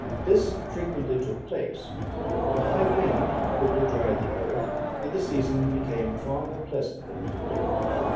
This frequently took place; but a high wind quickly dried the earth, and the season became far more pleasant than it had been.